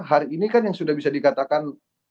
hari ini kan yang sudah bisa dikatakan